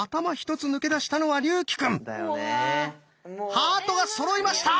ハートがそろいました！